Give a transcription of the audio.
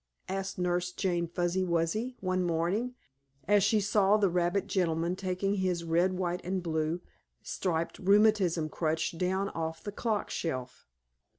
asked Nurse Jane Fuzzy Wuzzy, one morning, as she saw the rabbit gentleman taking his red, white and blue striped rheumatism crutch down off the clock shelf.